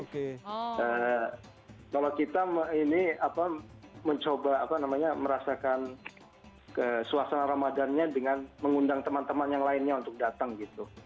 kalau kita mencoba merasakan suasana ramadannya dengan mengundang teman teman yang lainnya untuk datang gitu